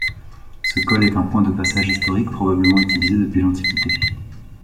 Ce col est un point de passage historique, probablement utilisé depuis l'Antiquité.